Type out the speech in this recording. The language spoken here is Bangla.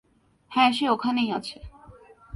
হ্যাঁ, সে ওখানেই আছে।